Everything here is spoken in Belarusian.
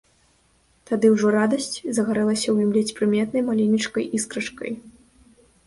Тады ўжо радасць загарэлася ў ім ледзь прыметнай маленечкай іскрачкай.